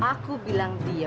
aku akan terus jaga kamu